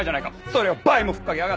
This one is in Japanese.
それを倍も吹っかけやがって！